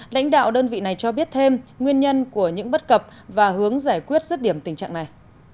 lãnh đạo đơn vị này cho biết thêm nguyên nhân của những bất cập và hướng giải quyết rứt điểm tình trạng này